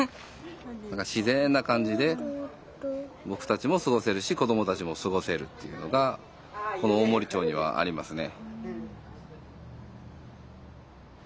自然な感じで僕たちも過ごせるし子どもたちも過ごせるっていうのがこの大森町にはありますね。